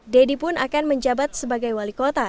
deddy pun akan menjabat sebagai wali kota